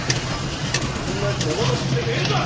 あんなやつ野放ししててええんか！